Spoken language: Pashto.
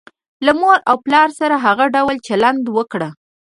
له مور او پلار سره هغه ډول چلند وکړه.